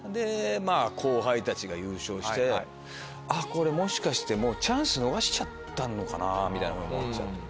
後輩たちが優勝してこれもしかしてチャンス逃しちゃったのかなって思って。